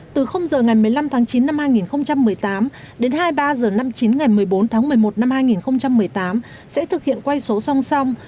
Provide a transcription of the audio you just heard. từ h ngày một mươi năm tháng chín năm hai nghìn một mươi tám đến hai mươi ba h năm mươi chín ngày một mươi bốn tháng một mươi một năm hai nghìn một mươi tám sẽ thực hiện quay số song song